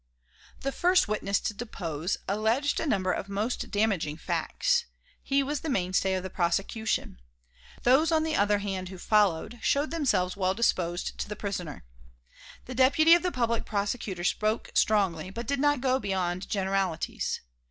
The first witness to depose alleged a number of most damaging facts. He was the mainstay of the prosecution. Those on the other hand who followed showed themselves well disposed to the prisoner. The Deputy of the Public Prosecutor spoke strongly, but did not go beyond generalities.